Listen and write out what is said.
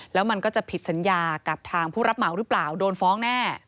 แล้วมันก็จะผิดสัญญากับทางผู้รับเหมาหรือเปล่าโดนฟ้องแน่